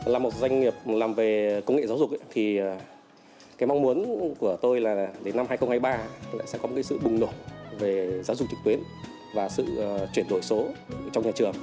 là một doanh nghiệp làm về công nghệ giáo dục thì cái mong muốn của tôi là đến năm hai nghìn hai mươi ba lại sẽ có một sự bùng nổ về giáo dục trực tuyến và sự chuyển đổi số trong nhà trường